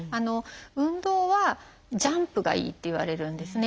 運動はジャンプがいいっていわれるんですね。